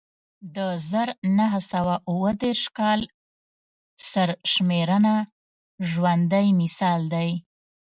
د زر نه سوه اووه دېرش کال سرشمېرنه ژوندی مثال دی